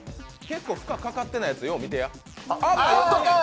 負荷かかってないやつ、よう見てや。